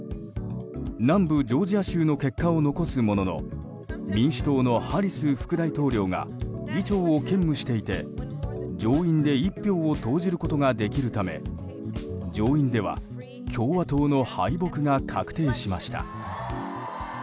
南部ジョージア州の結果を残すものの民主党のハリス副大統領が議長を兼務していて上院で１票を投じることができるため上院では共和党の敗北が確定しました。